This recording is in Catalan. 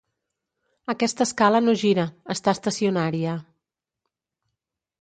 Aquesta escala no gira, està estacionària.